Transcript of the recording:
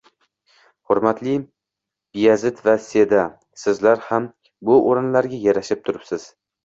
Hurmatli Beyazit va Seda, sizlar ham bu o‘rinlarga yarashib turibsiz